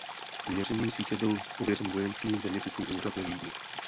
Měřením sítě byl pověřen Vojenský zeměpisný úřad ve Vídni.